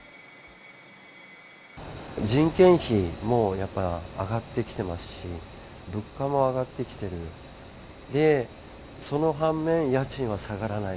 人件費もやっぱ上がってきてますし、物価も上がってきてる、で、その反面、家賃は下がらない。